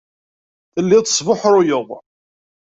Telliḍ tesbuḥruyeḍ.